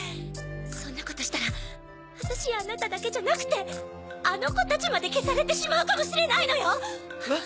⁉そんなことしたら私やあなただけじゃなくてあの子たちまで消されてしまうかもしれないのよ！